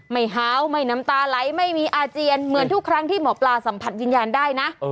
ฮาวไม่น้ำตาไหลไม่มีอาเจียนเหมือนทุกครั้งที่หมอปลาสัมผัสวิญญาณได้นะ